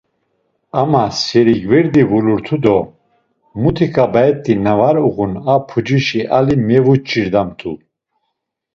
“Ama seri gverdi vulurtu do muti ǩabaet̆i na var uğun a pucişi ali mevuç̌irdamtu!”